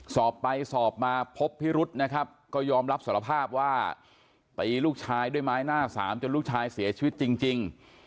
สอบไปสอบมาพบพิรุษนะครับก็ยอมรับสารภาพว่าตีลูกชายด้วยไม้หน้าสามจนลูกชายเสียชีวิตจริง